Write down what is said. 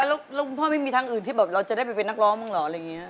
แล้วคุณพ่อไม่มีทางอื่นที่เราจะได้เป็นนักร้องบ้างเหรอ